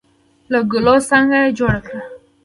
د ګلو څانګه یې جوړه کړه.